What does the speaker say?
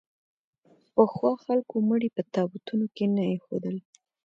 پخوا خلکو مړي په تابوتونو کې نه اېښودل.